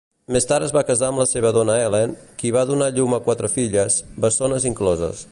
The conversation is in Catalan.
Més tard es va casar amb la seva dona Helen, qui va donar llum a quatre filles, bessones incloses.